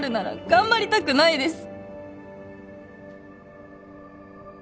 頑張りたくないです